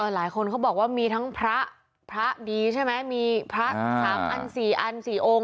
หลายคนเขาบอกว่ามีทั้งพระพระดีใช่ไหมมีพระ๓อัน๔อัน๔องค์